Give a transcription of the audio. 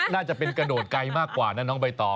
น่าจะเป็นกระโดดไกลมากกว่านะน้องใบตอง